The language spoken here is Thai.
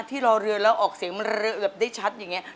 รอเรือแล้วออกเสียงมันเรือเอือบได้ชัดอย่างนี้